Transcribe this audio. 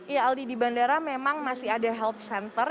ya aldi di bandara memang masih ada health center